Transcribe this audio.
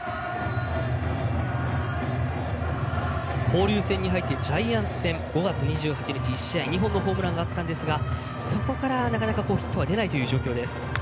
交流戦に入ってジャイアンツ戦５月２８日２本のホームラン１試合２本のホームランがあったんですがそこからなかなかヒットが出ない状況です。